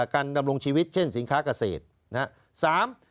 ดำรงชีวิตเช่นสินค้าเกษตรนะครับ